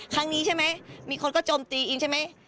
ครั้งนี้ใช่ไหมมีคนก็โจมตีอินใช่ไหม